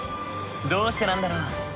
どうしてなんだろう？